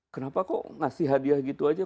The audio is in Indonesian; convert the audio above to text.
kenapa kok ngasih hadiah gitu aja